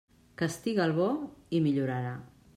Castiga al bo, i millorarà.